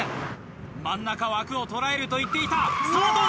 真ん中枠を捉えると言っていたさぁどうだ？